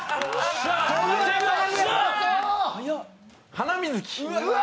「ハナミズキ」。